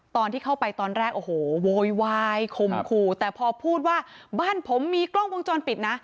ตอนที่เข้าไปตอนแรกโอ้โหโวยวายข่มขู่แต่พอพูดว่าบ้านผมมีกล้องวงจรปิดนะ